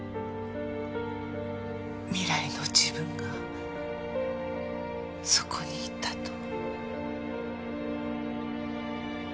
未来の自分がそこにいたと。